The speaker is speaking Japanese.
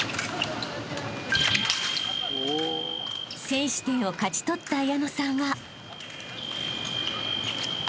［先取点を勝ち取った彩乃さんは］